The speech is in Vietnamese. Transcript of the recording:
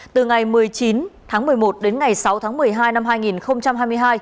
từ ngày một mươi chín tháng một mươi một đến ngày sáu tháng một mươi hai năm hai nghìn hai mươi hai